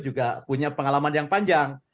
juga punya pengalaman yang panjang